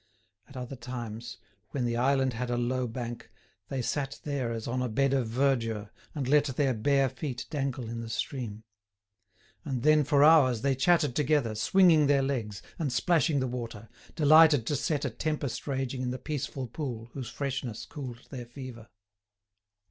At other times, when the island had a low bank, they sat there as on a bed of verdure, and let their bare feet dangle in the stream. And then for hours they chatted together, swinging their legs, and splashing the water, delighted to set a tempest raging in the peaceful pool whose freshness cooled their fever.